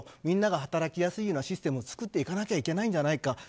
みんなが働きやすいようなシステムを作っていかなきゃいけないんじゃないか。